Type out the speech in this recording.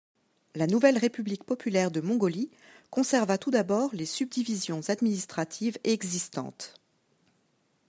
La nouvelle République populaire de Mongolie conserva tout d'abord les subdivisions administratives existantes.